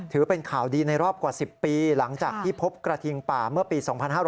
ถือเป็นข่าวดีในรอบกว่า๑๐ปีหลังจากที่พบกระทิงป่าเมื่อปี๒๕๕๙